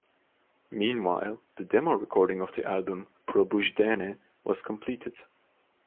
Meanwhile, the demo recording of the album "Probujdane" was completed.